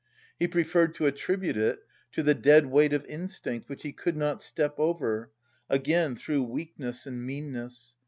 He preferred to attribute it to the dead weight of instinct which he could not step over, again through weakness and meanness.